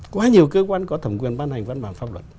quá nhiều cơ quan có thẩm quyền ban hành văn bản pháp luật